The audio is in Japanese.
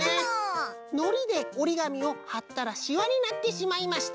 「のりでおりがみをはったらしわになってしまいました。